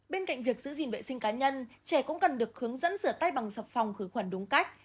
bên cạnh việc giữ gìn vệ sinh cá nhân trẻ cũng cần được hướng dẫn rửa tay bằng sập phòng khử khuẩn đúng cách